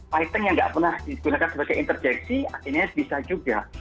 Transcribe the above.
fighting yang nggak pernah digunakan sebagai interjeksi akhirnya bisa juga